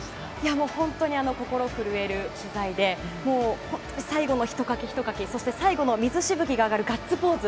本当に心震える取材で本当、最後のひとかき、ひとかきそして最後の水しぶきが上がるガッツポーズ。